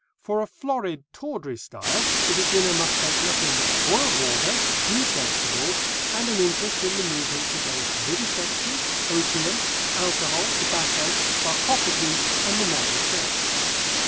For a florid, tawdry style the beginner must take nothing but boiled water, stewed vegetables, and an interest in the movements against vivisection, opium, alcohol, tobacco, sarcophagy, and the male sex.